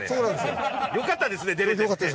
よかったですね出れて。